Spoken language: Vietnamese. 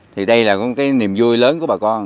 thì đây là cái niềm vui lớn của bà con